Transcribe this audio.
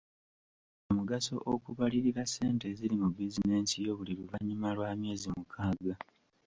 Kya mugaso okubalirira ssente eziri mu bizinensi yo buli luvannyuma lw’emyezi mukaaga.